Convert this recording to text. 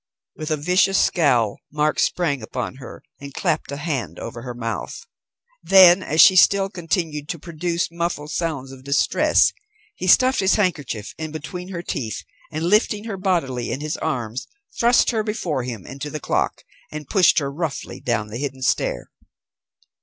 With a vicious scowl Mark sprang upon her, and clapped a hand over her mouth. Then, as she still continued to produce muffled sounds of distress, he stuffed his handkerchief in between her teeth and, lifting her bodily in his arms, thrust her before him into the clock, and pushed her roughly down the hidden stair.